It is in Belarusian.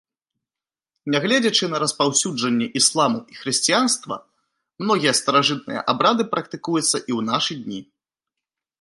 Нягледзячы на распаўсюджанне ісламу і хрысціянства, многія старажытныя абрады практыкуюцца і ў нашы дні.